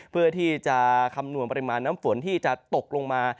เพื่อที่จะคำนวณปริมาณน้ำฝนที่จะตกลงมา